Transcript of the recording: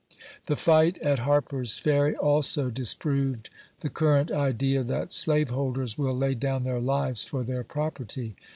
The fight at Harper's Ferry also disproved the current idea that slaveholders will lay down their lives for their property.